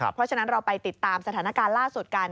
เพราะฉะนั้นเราไปติดตามสถานการณ์ล่าสุดกัน